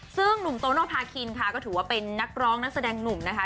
ซึ่งหนุ่มโตโนภาคินค่ะก็ถือว่าเป็นนักร้องนักแสดงหนุ่มนะคะ